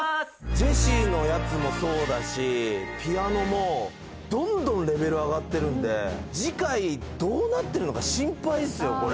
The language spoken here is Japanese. ジェシーのやつもそうだしピアノもどんどんレベル上がってるんで次回どうなってるのか心配っすよ